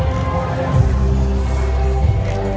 สโลแมคริปราบาล